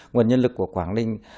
nguồn nhân lực của quảng ninh